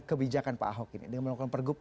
kebijakan pak ahok ini dengan melakukan pergub